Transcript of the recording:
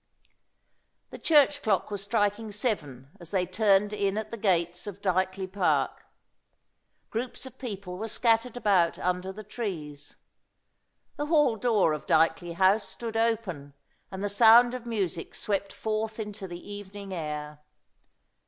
The church clock was striking seven as they turned in at the gates of Dykeley Park. Groups of people were scattered about under the trees. The hall door of Dykeley House stood open, and the sound of music swept forth into the evening air.